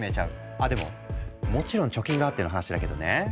あでももちろん貯金があっての話だけどね。